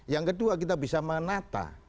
yang kedua kita bisa menata